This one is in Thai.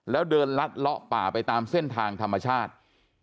แล้วเดินลัดเลาะป่าไปตามเส้นทางธรรมชาติ